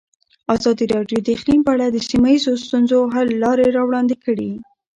ازادي راډیو د اقلیم په اړه د سیمه ییزو ستونزو حل لارې راوړاندې کړې.